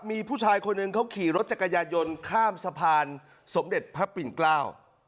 มีผู้ชายคนหนึ่งเขาขี่รถจักรยายนต์ข้ามสะพานสมเด็จพระปิ่นเกล้า